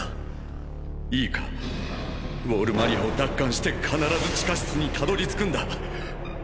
いいかウォール・マリアを奪還して必ず地下室にたどりつくんだ。